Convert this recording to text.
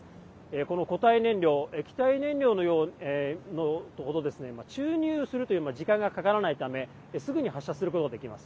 この固体燃料、液体燃料ほど注入するという時間がかからないためすぐに発射することができます。